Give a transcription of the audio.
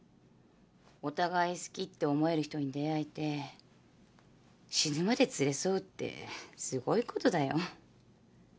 お互い好きって思える人に出会えて死ぬまで連れ添うってすごいことだよ。